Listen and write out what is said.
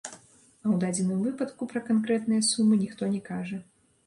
А ў дадзеным выпадку пра канкрэтныя сумы ніхто не кажа.